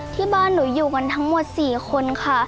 ที่บ้านหนูอยู่กันทั้งหมด๔คนค่ะ